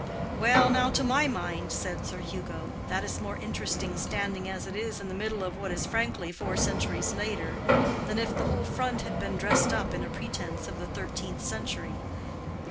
"Well, now, to my mind," said Sir Hugo, "that is more interesting standing as it is in the middle of what is frankly four centuries later, than if the whole front had been dressed up in a pretense of the thirteenth century.